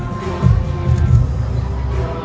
สโลแมคริปราบาล